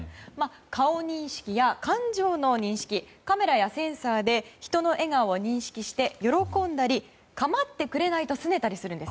顔認識や感情の認識カメラやセンサーで人の笑顔を認識して喜んだり構ってくれないとすねたりするんです。